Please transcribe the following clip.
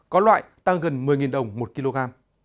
có loại tăng gần một mươi đồng một kg